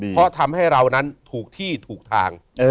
เพราะทำให้เรานั้นถูกที่ถูกทาง